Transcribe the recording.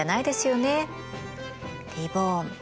リ・ボーン！